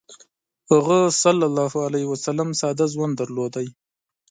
هغه ﷺ ساده ژوند درلود.